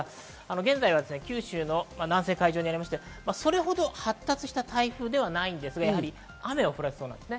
現在は九州の南西海上にありまして、それほど発達した台風ではないんですが、雨を降らせそうなんです。